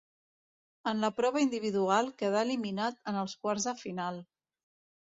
En la prova individual quedà eliminat en els quarts de final.